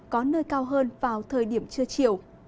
có nơi cao hơn vào thời điểm trưa chiều